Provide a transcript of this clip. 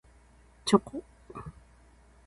チョコ